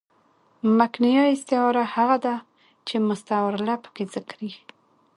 مکنیه استعاره هغه ده، چي مستعارله پکښي ذکر يي.